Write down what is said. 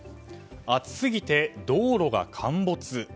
暑すぎて道路が陥没。